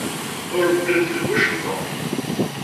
Ur beddlent deg wacemma.